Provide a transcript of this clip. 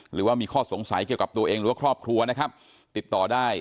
หรือว่ามีข้อสงสัยเกี่ยวกับตัวเองหรือว่าครอบครัวนะครับติดต่อได้